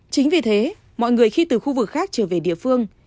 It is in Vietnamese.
chính vì thế mọi người khi từ khu vực khác trở về địa phương